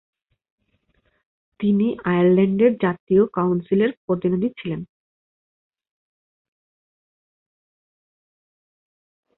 তিনি আয়ারল্যান্ডের জাতীয় কাউন্সিলের প্রতিনিধি ছিলেন।